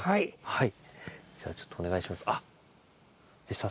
はい。